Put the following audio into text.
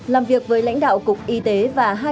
làm việc với lãnh đạo cục y tế và hà nội